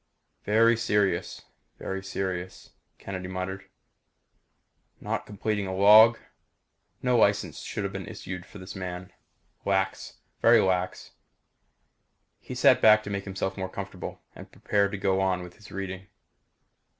"Very serious very serious," Kennedy muttered. "Not completing a log. No license should have been issued this man. Lax! Very lax." He sat back to make himself more comfortable and prepared to go on with his reading.